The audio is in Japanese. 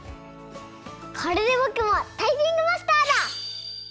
これでぼくもタイピングマスターだ！